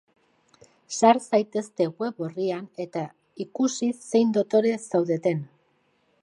Sar zaitezte web orrian, eta ikusi zein dotore zaudeten!